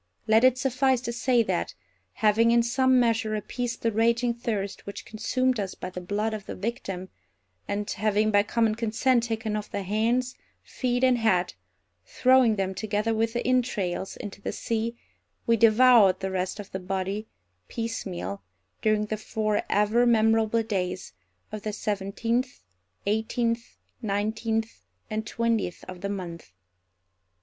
Let it suffice to say that, having in some measure appeased the raging thirst which consumed us by the blood of the victim, and having by common consent taken off the hands, feet, and head, throwing them together with the entrails, into the sea, we devoured the rest of the body, piecemeal, during the four ever memorable days of the seventeenth, eighteenth, nineteenth, and twentieth of the month.